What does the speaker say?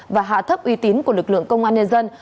và hạ thấp uy tín của lực lượng công an nhân dân